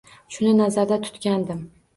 Shuni nazarda tutgandim